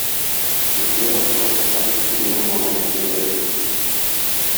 Суфия Островскийдан Катерина монологын сөйләде.